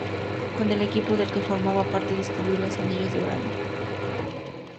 Con el equipo del que formaba parte descubrió los anillos de Urano.